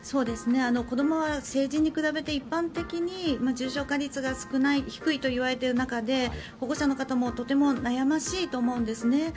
子どもは成人に比べて一般的に重症化率が低いといわれている中で保護者の方も悩ましいと思うんですね。